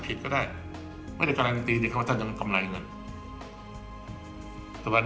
ผิดก็ได้ไม่ได้กำลังตีเดี๋ยวข้างว่าท่านจะไม่กำไรเงินแต่วัน